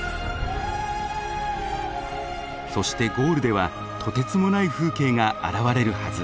そしてゴールではとてつもない風景が現れるはず。